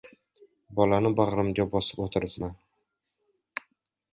Bolani bag‘rimga bosib o‘tiribman.